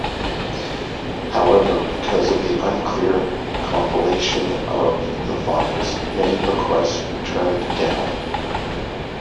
However, because of the unclear compilation of the files, many requests were turned down.